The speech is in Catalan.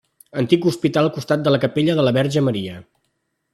Antic hospital al costat de la capella de la Verge Maria.